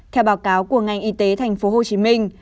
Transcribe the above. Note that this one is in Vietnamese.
theo báo cáo của ngành y tế tp hcm